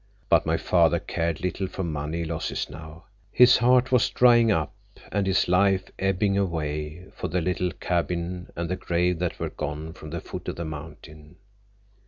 But my father cared little for money losses now. His heart was drying up and his life ebbing away for the little cabin and the grave that were gone from the foot of the mountain.